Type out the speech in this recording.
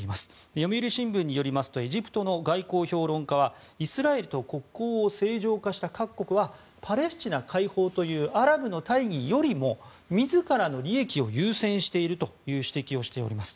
読売新聞によりますとエジプトの外交評論家はイスラエルと国交を正常化した各国はパレスチナ解放というアラブの大義よりも自らの利益を優先しているという指摘をしております。